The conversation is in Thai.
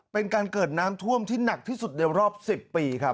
เป็นการเกิดน้ำท่วมที่หนักที่สุดในรอบ๑๐ปีครับ